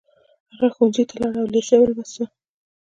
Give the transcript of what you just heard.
هغه ښوونځي ته لاړ او لېسه يې ولوسته.